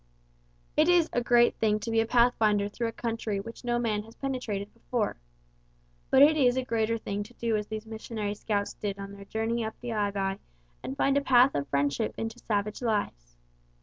It is a great thing to be a pathfinder through a country which no man has penetrated before. But it is a greater thing to do as these missionary scouts did on their journey up the Aivai and find a path of friendship into savage lives.